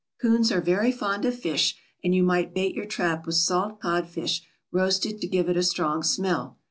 Coons are very fond of fish, and you might bait your trap with salt cod fish roasted to give it a strong smell.